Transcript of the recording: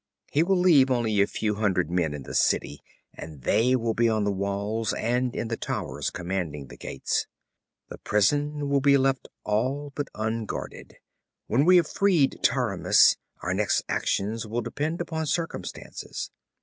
He will leave only a few hundred men in the city, and they will be on the walls and in the towers commanding the gates. 'The prison will be left all but unguarded. When we have freed Taramis our next actions will depend upon circumstances.